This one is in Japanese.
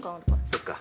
そっか。